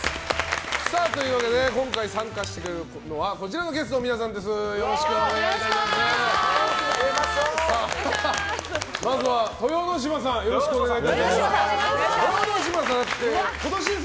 今回、参加してくれるのはこちらのゲストの皆さんです。